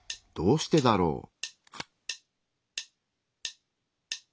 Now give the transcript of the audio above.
どうしてだろう？